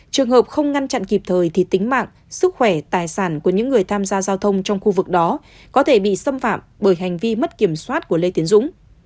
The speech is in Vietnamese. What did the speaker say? trường hợp không ngăn chặn kịp thời thì tính mạng sức khỏe tài sản của những người tham gia giao thông trong khu vực đó có thể bị xâm phạm bởi hành vi mất kiểm soát của lê tiến dũng